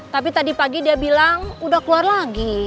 tapi tadi pagi dia bilang udah keluar lagi